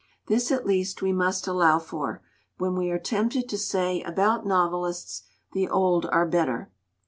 This at least we must allow for, when we are tempted to say about novelists, "The old are better."